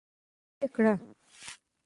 اېډېټ کړ.